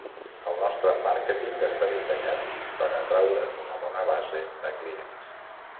El nostre màrqueting està dissenyat per atreure una bona base de clients.